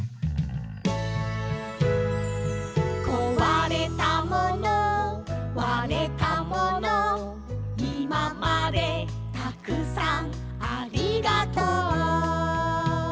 「壊れたもの割れたもの」「今までたくさんありがとう」